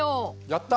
やった！